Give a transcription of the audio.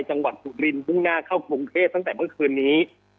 จังหวัดศูนย์ธูรินบุ้งหน้าเข้ากรงเพศตั้งแต่เมื่อคืนนี้